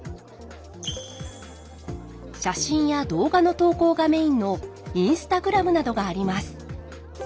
写真や動画の投稿がメインのＩｎｓｔａｇｒａｍなどがあります。